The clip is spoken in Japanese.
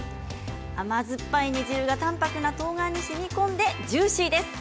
甘酸っぱい煮汁が淡泊なとうがんにしみ込んでジューシーです。